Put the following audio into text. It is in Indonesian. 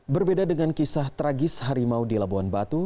berbeda dengan kisah tragis harimau di labuan batu